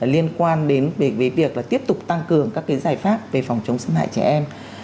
liên quan đến việc tiếp tục tăng cường các giải pháp về phòng chống xâm hại trẻ em